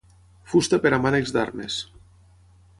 Fusta per a mànecs d'armes.